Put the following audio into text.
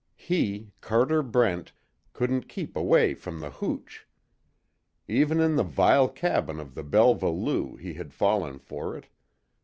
He, Carter Brent, couldn't keep away from the hooch. Even in the vile cabin of the Belva Lou, he had fallen for it.